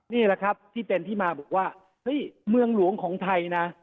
นี่แหละครับที่เป็นที่มาบอกว่าเฮ้ยเมืองหลวงของไทยนะ